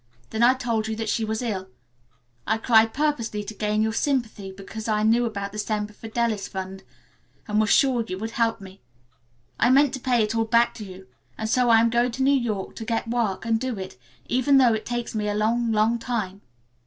Then I told you that she was ill. I cried purposely to gain your sympathy because I knew about the Semper Fidelis Fund and was sure you would help me. I meant to pay it all back to you, and so I am going to New York to get work and do it, even though it takes me a long, long time.